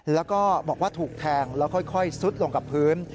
แล้วก็บอกว่าถูกแทงแล้วค่อยซุดลงกับพื้น